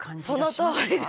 「そのとおりで」